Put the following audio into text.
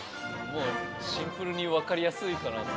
シンプルに分かりやすいかなって。